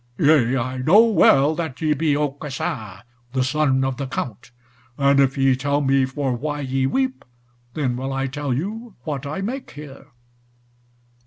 "Yea, I know well that ye be Aucassin, the son of the Count, and if ye tell me for why ye weep, then will I tell you what I make here."